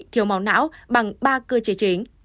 thiếu máu não bằng ba cơ chế chính